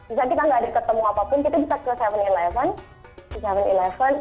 misalnya kita nggak ada ketemu apapun kita bisa ke tujuh sebelas